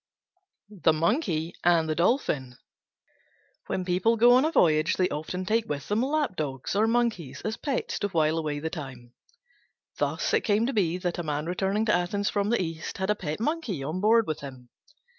THE MONKEY AND THE DOLPHIN When people go on a voyage they often take with them lap dogs or monkeys as pets to wile away the time. Thus it fell out that a man returning to Athens from the East had a pet Monkey on board with him.